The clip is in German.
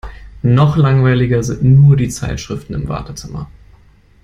Noch langweiliger sind nur die Zeitschriften im Wartezimmer.